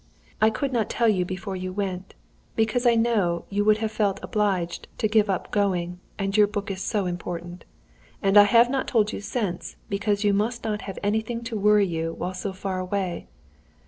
"I could not tell you before you went, because I know you would have felt obliged to give up going, and your book is so important; and I have not told you since, because you must not have anything to worry you while so far away.